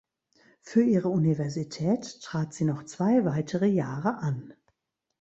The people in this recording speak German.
Für ihre Universität trat sie noch zwei weitere Jahre an.